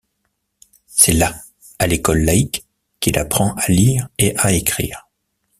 C'est là, à l'école laïque, qu'il apprend à lire et à écrire.